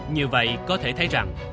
như vậy có thể thấy rằng